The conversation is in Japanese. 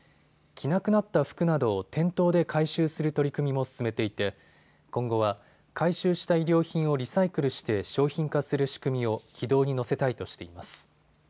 着なくなった服などを店頭で回収する取り組みも進めていて今後は回収した衣料品をリサイクルして商品化する仕組みを軌道に乗せたいとしています。